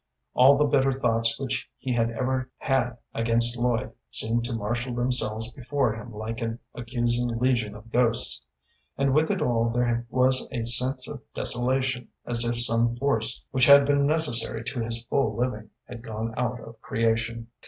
All the bitter thoughts which he had ever had against Lloyd seemed to marshal themselves before him like an accusing legion of ghosts. And with it all there was a sense of desolation, as if some force which had been necessary to his full living had gone out of creation.